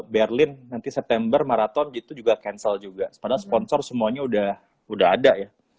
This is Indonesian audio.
berlin nanti september maraton gitu juga cancel juga padahal sponsor semuanya udah ada ya